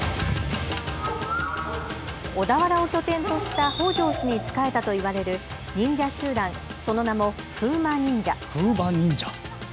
小田原を拠点とした北条氏に仕えたといわれる忍者集団その名も風魔忍者。